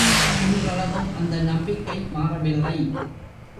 இன்றளவும் அந்த நம்பிக்கை மாறவில்லை.